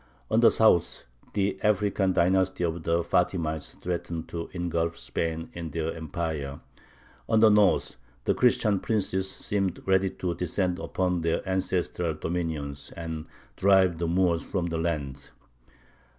On the south the African dynasty of the Fātimites threatened to engulf Spain in their empire; on the north the Christian princes seemed ready to descend upon their ancestral dominions and drive the Moors from the land.